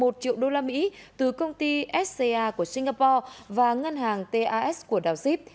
một mươi một triệu usd từ công ty sca của singapore và ngân hàng tas của đào xíp